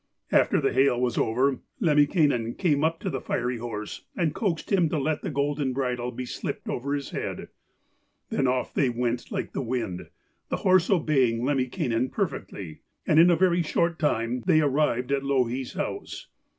After the hail was over, Lemminkainen came up to the fiery horse and coaxed him to let the golden bridle be slipped over his head. Then off they went like the wind, the horse obeying Lemminkainen perfectly, and in a very short time they arrived at Louhi's house.